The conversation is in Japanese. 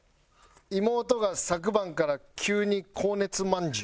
妹が昨晩から急に高熱まんじゅう。